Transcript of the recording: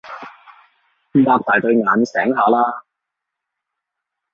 擘大對眼醒下啦